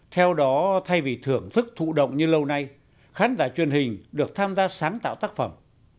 theo đó thay vì thưởng thức thụ động như lâu nay khán giả truyền hình được tham gia sáng tạo tác phẩm